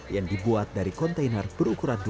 yang dibuat dari kontainer berukuran dua puluh kaki